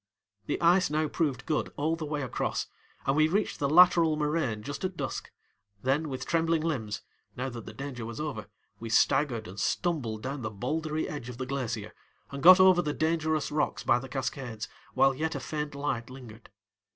The ice now proved good all the way across, and we reached the lateral moraine just at dusk, then with trembling limbs, now that the danger was over, we staggered and stumbled down the bouldery edge of the glacier and got over the dangerous rocks by the cascades while yet a faint light lingered.